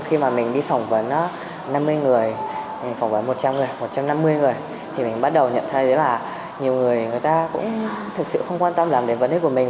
khi mà mình đi phỏng vấn năm mươi người mình phỏng vấn một trăm linh người một trăm năm mươi người thì mình bắt đầu nhận thấy là nhiều người người ta cũng thực sự không quan tâm làm đến vấn đề của mình